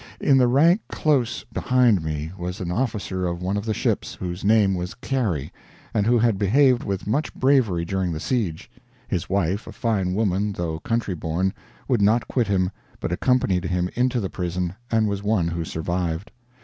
In the rank close behind me was an officer of one of the ships, whose name was Cary, and who had behaved with much bravery during the siege (his wife, a fine woman, though country born, would not quit him, but accompanied him into the prison, and was one who survived).